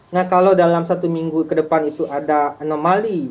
nah kalau dalam satu minggu ke depan itu ada anomali